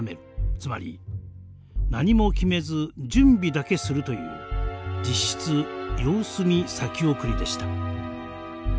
つまり何も決めず準備だけするという実質様子見先送りでした。